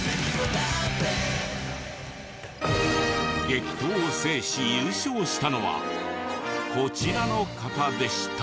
激闘を制し優勝したのはこちらの方でした。